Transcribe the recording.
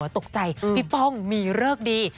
ตกใจพี่ป้องมีเลิกดี